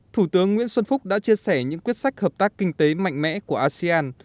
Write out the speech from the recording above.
thủ tướng nguyễn xuân phúc đã chia sẻ những quyết sách hợp tác kinh tế mạnh mẽ của asean